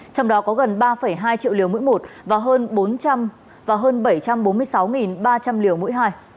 trong đó có gần ba hai triệu liều mỗi một và hơn bảy trăm bốn mươi sáu ba trăm linh liều mũi hai